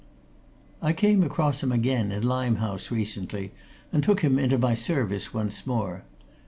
I came across him again, in Limehouse, recently, and took him into my service once more.